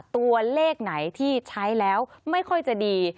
ตัวเลขไหนที่ใช้แล้วไม่ค่อยจะดี